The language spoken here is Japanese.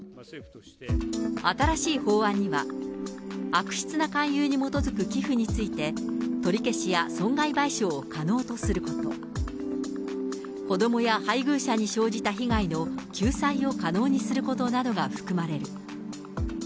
新しい法案には、悪質な勧誘に基づく寄付について、取り消しや損害賠償を可能とすること、子どもや配偶者に生じた被害の救済を可能にすることなどが含まれる。